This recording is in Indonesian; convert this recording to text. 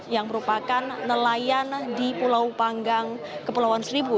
yang merupakan nelayan di pulau panggang kepulauan seribu